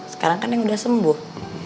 sekarang kan neng udah sembuh